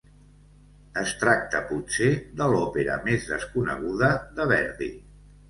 Es tracta potser de l'òpera més desconeguda de Verdi.